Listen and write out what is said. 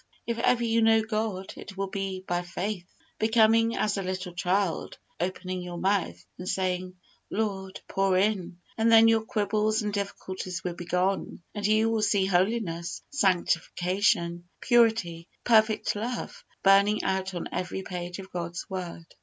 If ever you know God it will be by faith, becoming as a little child opening your mouth, and saying, "Lord, pour in;" and then your quibbles and difficulties will be gone, and you will see holiness, sanctification, purity, perfect love, burning out on every page of God's Word.